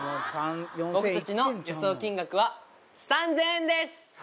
僕たちの予想金額は３０００円